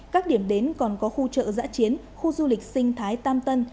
các điểm đến còn có khu chợ giã chiến khu du lịch sinh thái tam tân